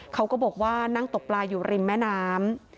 เขาก็บอกว่านั่งตกปลาอยู่ริมแม่น้ำ